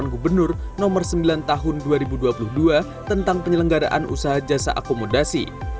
gubernur nomor sembilan tahun dua ribu dua puluh dua tentang penyelenggaraan usaha jasa akomodasi